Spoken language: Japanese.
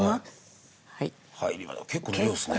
結構な量ですね。